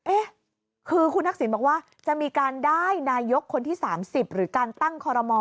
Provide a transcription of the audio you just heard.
เอ๊ะคือคุณทักษิณบอกว่าจะมีการได้นายกคนที่๓๐หรือการตั้งคอรมอ